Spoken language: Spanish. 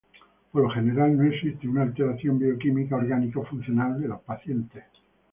Por lo general no existe una alteración bioquímica, orgánica o funcional de los pacientes.